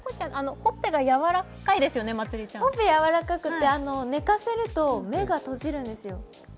ほっぺやわらかくて寝かせると目が閉じるんですよ。